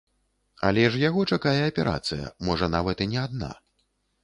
Але ж яго чакае аперацыя, можа нават і не адна.